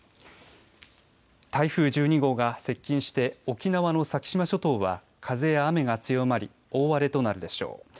台風１２号が接近して沖縄の先島諸島は風や雨が強まり大荒れとなるでしょう。